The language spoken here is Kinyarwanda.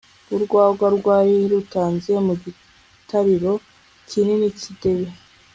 urwagwa rwari rutaze mu gitariro kinini cy'idebe